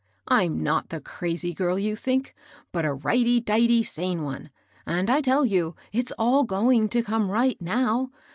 "I'm not the crazy girl you tliink, but a righty, dighty sane one ; and, I tell you, it's all going to come right, now.